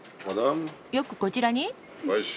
よくこちらに？